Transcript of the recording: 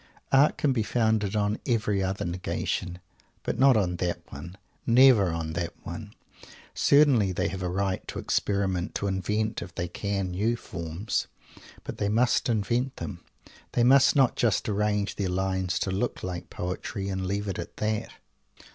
Art can be founded on every other Negation. But not on that one never on that one! Certainly they have a right to experiment; to invent if they can new forms. But they must invent them. They must not just arrange their lines to look like poetry, and leave it at that.